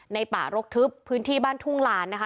ป่ารกทึบพื้นที่บ้านทุ่งลานนะคะ